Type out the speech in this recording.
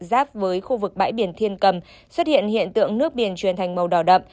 giáp với khu vực bãi biển thiên cầm xuất hiện hiện tượng nước biển truyền thành màu đỏ đậm